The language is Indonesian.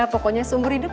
pokoknya seumur hidup